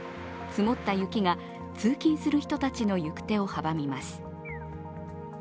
積もった雪が通勤する人たちの行く手を阻みます。